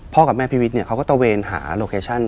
กับแม่พี่วิทย์เนี่ยเขาก็ตะเวนหาโลเคชั่น